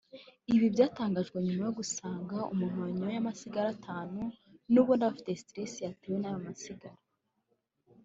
Ibi byatangajwe nyuma yo gusanga umuntu wanyoye amasigara atanu n’ubundi aba afite stress yatewe n’ayo masigara